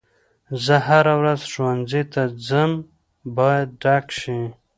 زه هره ورځ ښوونځي ته ځم باید ډک شي.